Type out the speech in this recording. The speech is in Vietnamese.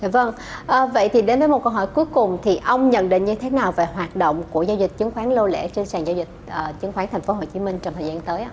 vâng vậy thì đến với một câu hỏi cuối cùng thì ông nhận định như thế nào về hoạt động của giao dịch chứng khoán lô lẻ trên sàn giao dịch chứng khoán tp hcm trong thời gian tới